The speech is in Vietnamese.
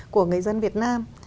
của người dân việt nam